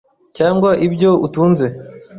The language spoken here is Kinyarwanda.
cyangwa ibyo utunze